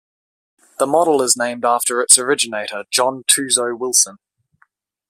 The model is named after its originator John Tuzo Wilson.